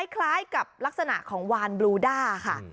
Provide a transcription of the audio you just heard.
คล้ายกับลักษณะของวานบลูด้าค่ะ